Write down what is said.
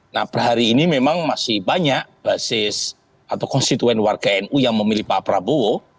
nah per hari ini memang masih banyak basis atau konstituen warga nu yang memilih pak prabowo